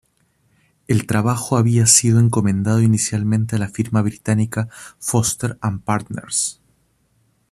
El trabajo había sido encomendado inicialmente a la firma británica Foster and Partners.